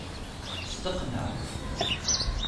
Steqneε!